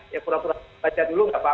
ya pura pura baca dulu nggak apa apa